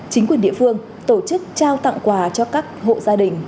chính quyền địa phương tổ chức trao tặng quà cho các hộ gia đình